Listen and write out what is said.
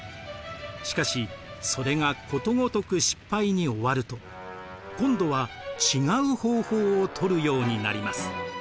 しかしそれがことごとく失敗に終わると今度は違う方法を取るようになります。